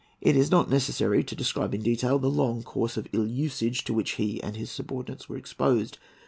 It is not necessary to describe in detail the long course of ill usage to which he and his subordinates were exposed.